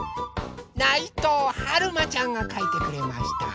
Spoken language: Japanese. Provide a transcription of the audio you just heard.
ないとうはるまちゃんがかいてくれました。